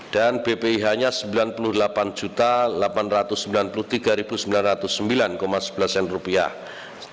dan bpih nya rp sembilan puluh delapan delapan ratus sembilan puluh tiga sembilan ratus sembilan sebelas sen